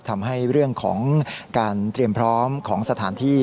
ทำให้เรื่องของการเตรียมพร้อมของสถานที่